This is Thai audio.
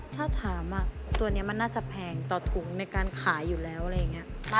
ถ้าถามตัวนี้มันน่าจะแพงต่อถุงในการขายอยู่แล้วอะไรอย่างนี้